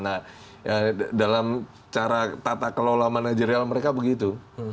nah dalam cara tata kelola manajerial mereka begitu